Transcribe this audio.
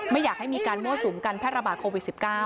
ไม่อยากให้มีการมั่วสุมการแพร่ระบาดโควิด๑๙